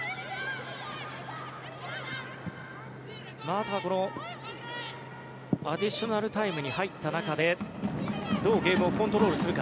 あとはアディショナルタイムに入った中でどうゲームをコントロールするか。